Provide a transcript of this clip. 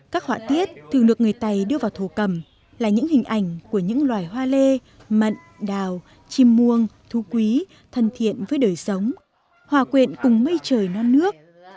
các họa tiết thường được người tày đưa vào thổ cầm là những hình ảnh của những loài hoa lê mận đào chim muông thú quý thân thiện với đời sống hòa quyện cùng mây trời non nước